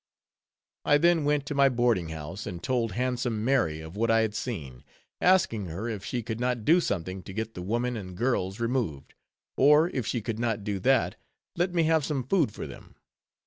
I then went to my boarding house, and told Handsome Mary of what I had seen; asking her if she could not do something to get the woman and girls removed; or if she could not do that, let me have some food for them.